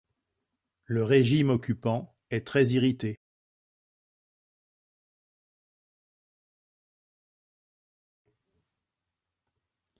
Le régime occupant est très irrité.